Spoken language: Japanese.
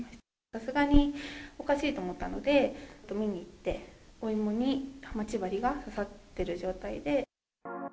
さすがにおかしいと思ったので、見に行って、お芋に待ち針が刺さってる状態で。